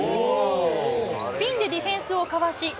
スピンでディフェンスをかわし